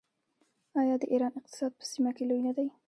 آیا د ایران اقتصاد په سیمه کې لوی نه دی؟